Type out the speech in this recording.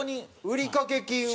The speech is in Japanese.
売掛金は。